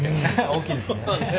大きいですね。